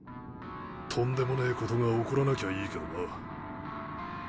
とんでもねえことが起こらなきゃいいけどな。